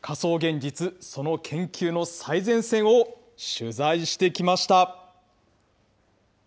仮想現実、その研究の最前線を取材してきました。